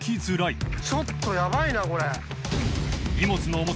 淵▲蕁ちょっとヤバイなこれ。